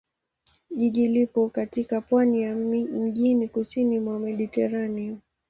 Jiji lipo katika pwani ya mjini kusini mwa Mediteranea.